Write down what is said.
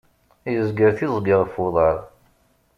Yezger tiẓgi ɣef uḍar.